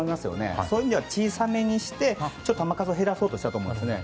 そういう意味では、小さめにして球数を減らそうとしたと思うんですよね。